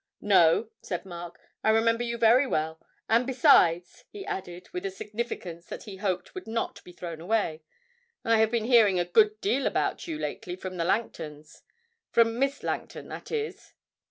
'No,' said Mark, 'I remember you very well; and besides,' he added, with a significance that he hoped would not be thrown away, 'I have been hearing a good deal about you lately from the Langtons from Miss Langton, that is.'